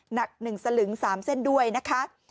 หนัก๑สลึง๓เส้นด้วยนะคะ